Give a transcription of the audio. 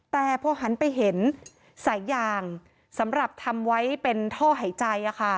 แต่พอหันไปเห็นสายยางสำหรับทำไว้เป็นท่อหายใจ